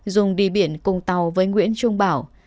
dung đi biển cùng tàu với nguyễn trung bảo